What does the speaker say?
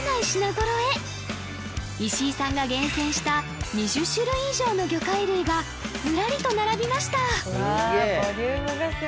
品揃え石井さんが厳選した２０種類以上の魚介類がずらりと並びました